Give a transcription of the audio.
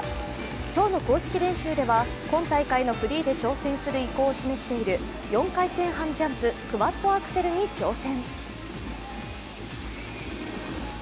今日の公式練習では今大会のフリーで挑戦する意向を示している４回転半ジャンプ＝クワッドアクセルに挑戦。